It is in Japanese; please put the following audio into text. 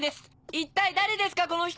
一体誰ですかこの人！